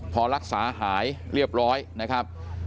พอรักษาหายเรียบร้อยนะครับ